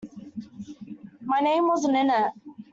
My name wasn't in it.